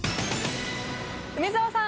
梅澤さん